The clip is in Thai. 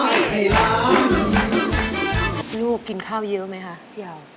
พี่ลูกกินข้าวเยอะไหมค่ะพี่ยาว